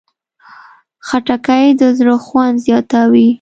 خټکی د زړه خوند زیاتوي.